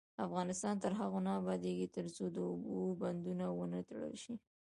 افغانستان تر هغو نه ابادیږي، ترڅو د اوبو بندونه ونه تړل شي.